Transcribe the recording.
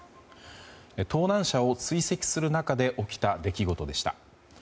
盗難車を追跡する中で起きた出来事でした。